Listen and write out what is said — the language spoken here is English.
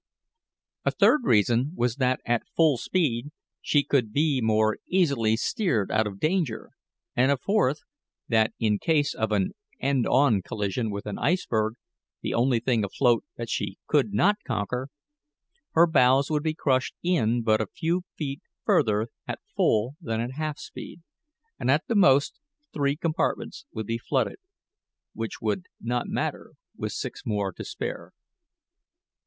A third reason was that, at full speed, she could be more easily steered out of danger, and a fourth, that in case of an end on collision with an iceberg the only thing afloat that she could not conquer her bows would be crushed in but a few feet further at full than at half speed, and at the most three compartments would be flooded which would not matter with six more to spare.